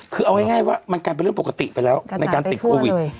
คือเอาง่ายว่ามันกลายเป็นเรื่องปกติไปแล้วในการติดโควิด